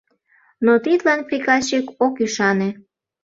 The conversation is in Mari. Но тидлан приказчик ок ӱшане.